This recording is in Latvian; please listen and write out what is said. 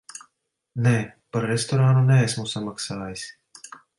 Nē, par restorānu neesmu samaksājis.